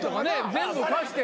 全部貸して。